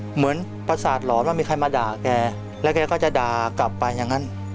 เหมือนประสาทหลอนว่ามีใครมาด่าแกแล้วแกก็จะด่ากลับไปอย่างนั้น